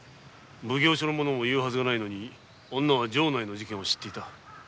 奉行所が言うはずもないのに女は城内の事件を知っていた。